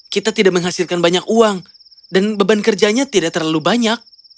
kita tidak menghasilkan banyak uang dan beban kerjanya tidak terlalu banyak